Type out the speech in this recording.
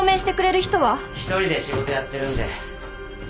１人で仕事やってるんで。